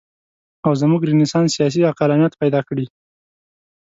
او زموږ رنسانس سیاسي عقلانیت پیدا کړي.